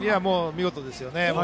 見事ですよね。